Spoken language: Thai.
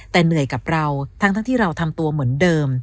แต่เหนื่อยกับเราทั้งที่เราทำตัวเหมือนเดิม